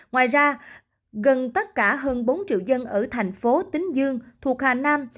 ngoài ra gần tất cả hơn bốn triệu dân ở thành phố tính dương thuộc hà nam